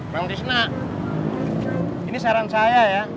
mengisah ini saran saya ya